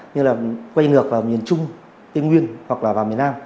như là quay ngược vào miền trung tây nguyên hoặc là vào miền nam